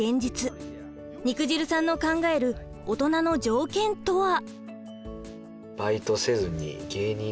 肉汁さんの考えるオトナの条件とは？